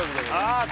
ああ